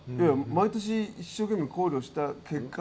毎年、一生懸命考慮した結果。